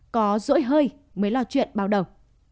có rỗi hơi mới lo chuyện bao đầu